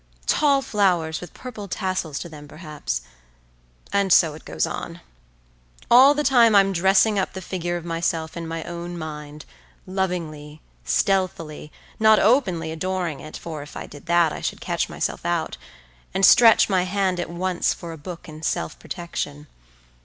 Tall flowers with purple tassels to them perhaps. And so it goes on. All the time I'm dressing up the figure of myself in my own mind, lovingly, stealthily, not openly adoring it, for if I did that, I should catch myself out, and stretch my hand at once for a book in self protection.